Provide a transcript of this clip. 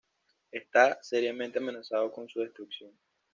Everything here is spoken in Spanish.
Está seriamente amenazado con su destrucción.